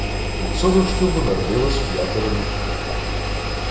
Від цього шлюбу народилось п'ятеро дітей.